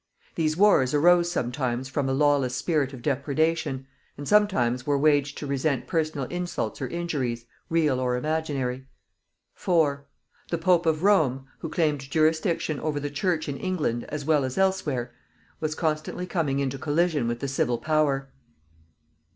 These wars arose sometimes from a lawless spirit of depredation, and sometimes were waged to resent personal insults or injuries, real or imaginary. 4. The Pope of Rome, who claimed jurisdiction over the Church in England as well as elsewhere, was constantly coming into collision with the civil power.